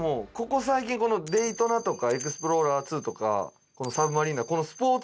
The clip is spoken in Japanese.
ここ最近このデイトナとかエクスプローラーⅡとかこのサブマリーナー